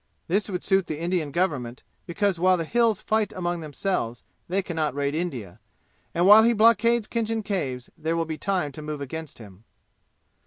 This would suit the Indian government, because while the 'Hills' fight among themselves they can not raid India, and while he blockades Khinjan Caves there will be time to move against him.